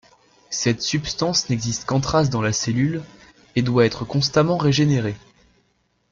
Cette substance n'existe qu'en traces dans la cellule, et doit être constamment régénérée.